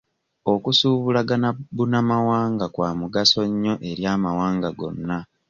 Okusuubulagana bunnamawanga kwa mugaso nnyo eri amawanga gonna.